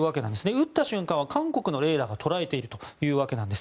撃った瞬間は韓国のレーダーが捉えているというわけなんです。